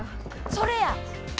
それや！